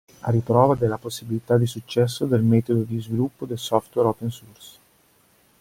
A riprova della possibilità di successo del metodo di sviluppo del software open source.